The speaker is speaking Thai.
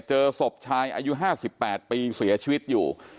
เจอศพชายอายุ๕๘ปีเสียชีวิตอยู่